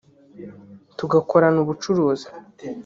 tugakorana ubucuruzi